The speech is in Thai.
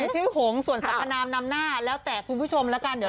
ชื่อหงค่ะแม่มังกรค่ะ